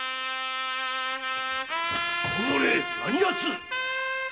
おのれ何やつ！